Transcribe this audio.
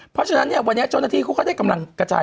เพราะฉะนั้นเนี่ยวันนี้เจ้าหน้าที่เขาก็ได้กำลังกระจาย